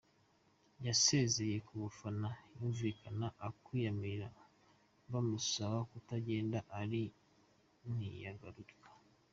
Yasezeye ku bafana, humvikana ukwiyamira bamusaba kutagenda ariko ntiyagaruka.